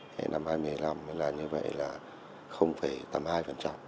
thế làm như vậy là tám mươi hai